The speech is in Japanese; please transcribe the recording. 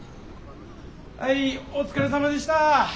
はいお疲れさまでした。